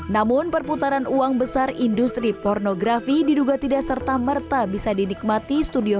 namun perputaran uang besar industri pornografi diduga tidak serta merta bisa dinikmati studio